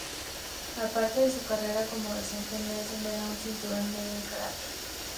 Aparte de su carrera como docente, Nelson era un cinturón negro en karate.